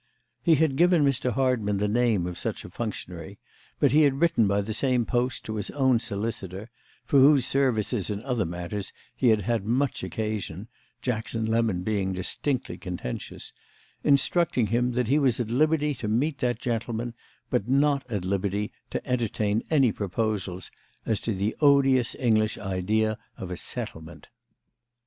He had given Mr. Hardman the name of such a functionary, but he had written by the same post to his own solicitor—for whose services in other matters he had had much occasion, Jackson Lemon being distinctly contentious—instructing him that he was at liberty to meet that gentleman, but not at liberty to entertain any proposals as to the odious English idea of a settlement.